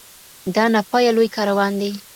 دا نا پایه لوی کاروان دی